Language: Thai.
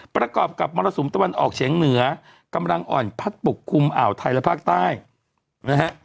ประกอบกับมรสุมตะวันออกเฉียงเหนือกำลังอ่อนพัดปกคลุมอ่าวไทยและภาคใต้นะฮะ